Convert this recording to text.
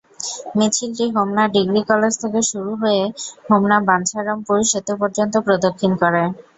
মিছিলটি Homna degree college থেকে শুরু হয়ে হোমনা-বাঞ্ছারামপুর সেতু পর্যন্ত প্রদক্ষিণ করে।